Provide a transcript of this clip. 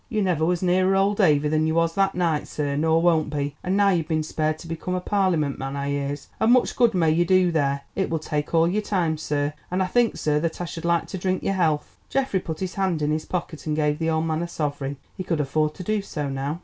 You never was nearer old Davy than you was that night, sir, nor won't be. And now you've been spared to become a Parliament man, I hears, and much good may you do there—it will take all your time, sir—and I think, sir, that I should like to drink your health." Geoffrey put his hand in his pocket and gave the old man a sovereign. He could afford to do so now.